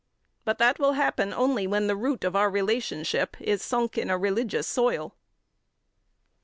But that will happen only when the root of our relationship is sunk in a religious soil."